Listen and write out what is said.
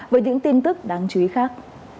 với những tin tức đáng chú ý khác